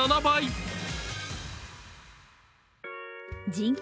人口